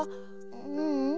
ううん。